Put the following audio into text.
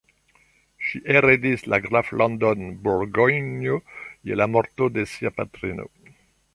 Ŝi heredis la graflandon Burgonjo je la morto de sia patrino.